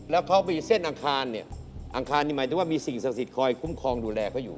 แล้วเขาไปเส้นอังคารเนี่ยอังคารนี่หมายถึงว่ามีสิ่งศักดิ์สิทธิ์คอยคุ้มครองดูแลเขาอยู่